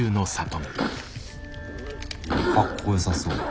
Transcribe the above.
かっこよさそう。